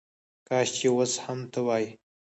کاش چې وس هم ته وای